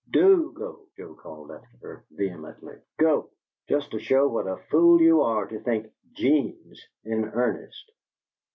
"DO go!" Joe called after her, vehemently. "Go! Just to show what a fool you are to think 'Gene's in earnest."